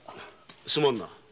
すまんな。